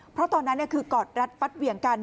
เพราะตอนนั้นคือกอดรัดฟัดเหวี่ยงกัน